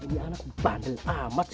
ini anak bandel amat